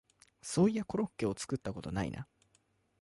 そういやコロッケを作ったことないな